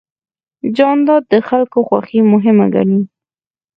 جانداد د خلکو خوښي مهمه ګڼي.